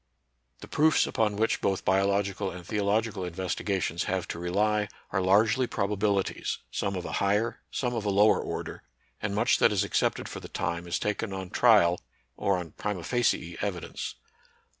The proofs upon which both biological and theological investigations have to rely are largely probabilities, some of a higher, some of a lower order, and much that is accepted for the time is taken on trial or on prima facie evi dence.